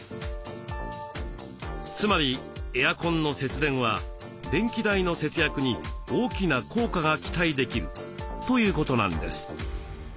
つまりエアコンの節電は電気代の節約に大きな効果が期待できるということなんです。